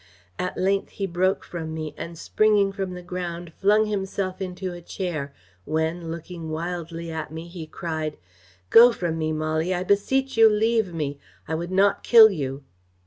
At length he broke from me, and, springing from the ground, flung himself into a chair, when, looking wildly at me, he cried 'Go from me, Molly. I beseech you, leave me. I would not kill you.